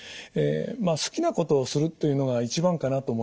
まあ好きなことをするというのが一番かなと思います。